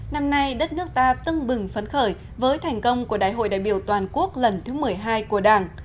năm nay đất nước ta tưng bừng phấn khởi với thành công của đại hội đại biểu toàn quốc lần thứ một mươi hai của đảng